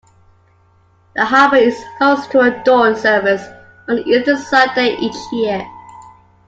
The harbour is host to a dawn service on Easter Sunday each year.